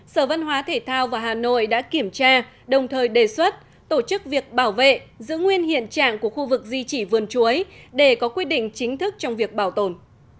sở văn hóa thể thao và hà nội đã kiểm tra đồng thời đề xuất tổ chức việc bảo vệ giữ nguyên hiện trạng của khu vực di trì vườn chuối để có quy định chính thức trong việc bảo tồn